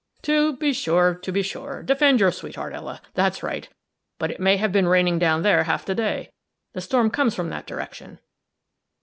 "To be sure! to be sure! defend your sweetheart, Ella that's right! But it may have been raining down there half the day the storm comes from that direction.